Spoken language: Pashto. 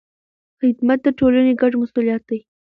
خدمت د ټولنې ګډ مسؤلیت دی.